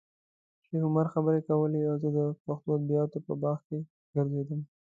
شیخ عمر خبرې کولې او زه د پښتو ادبیاتو په باغ کې ګرځېدم.